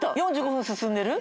４５分進んでる。